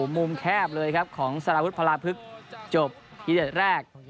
มุมแคบเลยครับของสารวุฒิพลาพึกจบทีเด็ดแรก